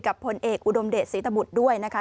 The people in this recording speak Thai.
ผลเอกอุดมเดชศรีตบุตรด้วยนะคะ